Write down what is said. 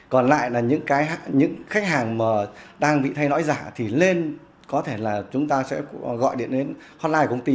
còn lại là những khách hàng mà đang bị thay nõi giả thì lên có thể là chúng ta sẽ gọi điện đến hotline công ty